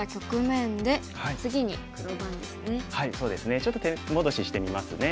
ちょっと手戻ししてみますね。